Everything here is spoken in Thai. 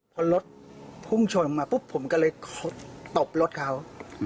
พอรถพุ่งชนมาปุ๊บผมก็เลยตบรถเขา